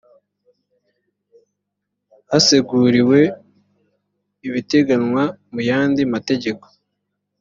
haseguriwe ibiteganywa mu yandi mategeko